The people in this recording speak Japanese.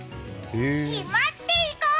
しまっていこ！